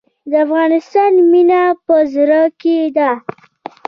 د افغانستان مینه په زړه کې ده